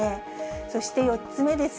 そして４つ目です。